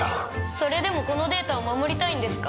それでもこのデータを守りたいんですか？